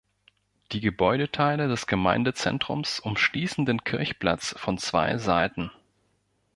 Die Gebäudeteile des Gemeindezentrums umschließen den Kirchplatz von zwei Seiten.